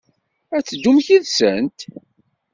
Ad teddumt yid-sent?